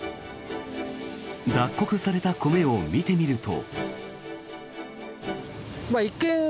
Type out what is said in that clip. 脱穀された米を見てみると。